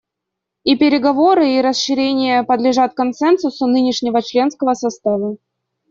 И переговоры, и расширение подлежат консенсусу нынешнего членского состава.